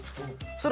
それ！